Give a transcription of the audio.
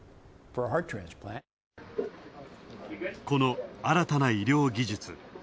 この新たな医療技術。